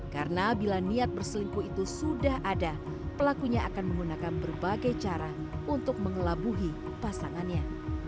karena bila niat berselingkuh itu sudah ada pelakunya akan menggunakan berbagai cara untuk mengelabuhi pasangannya